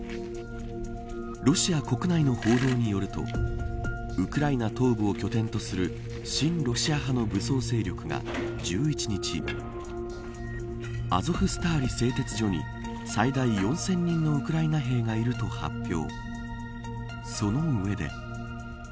ロシア国内の報道によるとウクライナ東部を拠点とする親ロシア派の武装勢力が１１日アゾフスターリ製鉄所に最大４０００人のウクライナ兵がいると発表。